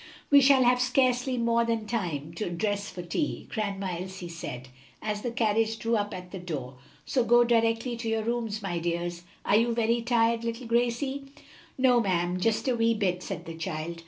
"We shall have scarcely more than time to dress for tea," Grandma Elsie said, as the carriage drew up at the door; "so go directly to your rooms, my dears. Are you very tired, little Gracie?" "No, ma'am, just a wee bit," said the child.